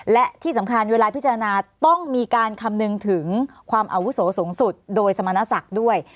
และที่สำคัญเวลาพิจารณาต้องมีการคำนึงถึงความอาวุโสสูงสุดโดยสมณศักดิ์ด้วย